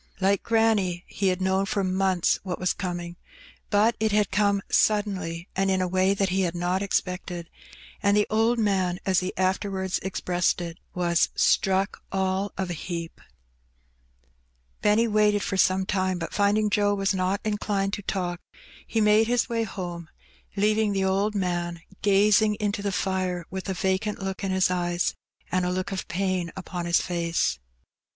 Like granny, he had known for months what was coming, but it had come suddenly, and in a way that he had not expected, and the old man, as he afterwards expressed it, was " struck all of a heap/^ Benny waited for some time, but finding Joe was not inclined to talk, he made his way home, leaving the old man gazing into the fire, with a vacant look in his eyes and a look of pain upon his face.